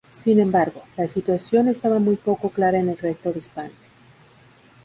Sin embargo, la situación estaba muy poco clara en el resto de España.